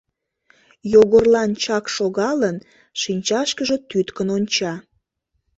Йогорлан чак шогалын, шинчашкыже тӱткын онча.